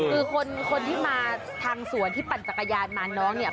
คือคนที่มาทางสวนที่ปั่นจักรยานมาน้องเนี่ย